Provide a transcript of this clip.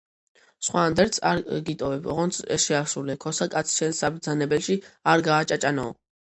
სხვა ანდერძს არ გიტოვებ, ოღონც ეს შეასრულე: ქოსა კაცი შენს საბრძანებელში არ გააჭაჭანოო!